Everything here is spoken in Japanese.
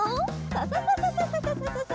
サササササササ！